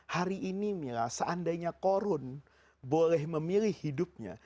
hari ini mila seandainya korun boleh memilih hidupnya